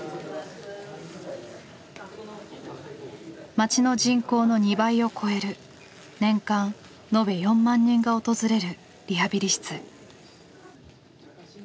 町の人口の２倍を超える年間延べ４万人が訪れるリハビリ室。